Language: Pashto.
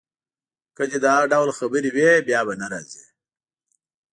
که دي دا ډول خبرې وې، بیا به نه راځې.